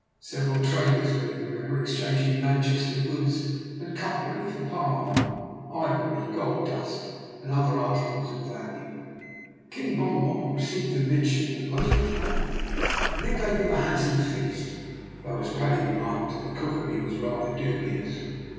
Several traders were in the river, exchanging Manchester goods and cutlery for palm oil, ivory, gold dust, and other articles of value. King Bom Bom received the midshipmen most politely, and gave them a handsome feast, though, as Paddy remarked, the cookery was rather dubious.